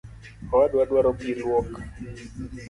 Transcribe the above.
Owadwa dwaro pii luok